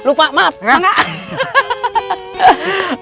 lupa mah mah gak